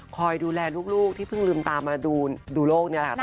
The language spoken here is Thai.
คอยดูแลลูกที่เพิ่งลืมตามาดูโรคในหลักษณะภาพเลย